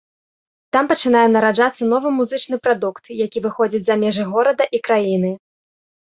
Там пачынае нараджацца новы музычны прадукт, які выходзіць за межы горада і краіны.